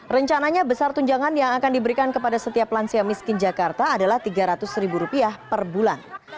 rencananya besar tunjangan yang akan diberikan kepada setiap lansia miskin jakarta adalah rp tiga ratus ribu rupiah per bulan